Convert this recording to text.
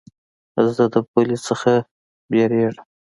زه د بلې نه وېرېږم.